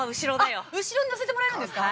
◆あっ、後ろに乗せてもらえるんですか。